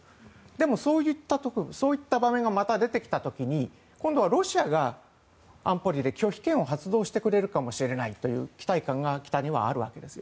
でもそういった場面がまた出てきた時に今度はロシアが安保理で拒否権を発動してくれるかもしれないという期待感が北にはあるわけです。